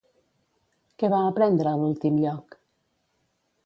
Què va aprendre a l'últim lloc?